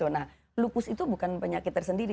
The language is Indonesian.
nah lupus itu bukan penyakit tersendiri